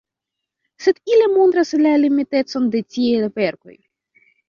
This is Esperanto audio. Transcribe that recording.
Sed ili montras la limitecon de tiaj verkoj.